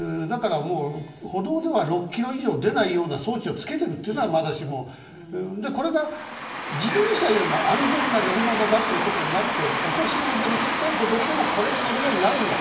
歩道では６キロ以上出ないような装置を付けるならまだしもこれが自転車よりも安全な乗り物っていうことになってお年寄りで、小さい子どもでもこれに乗るようになるんだと。